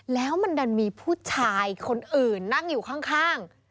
แล้วมันดันมีผู้ชายคนอื่นนั่งอยู่ข้าง